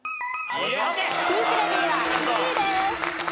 ピンク・レディーは１位です。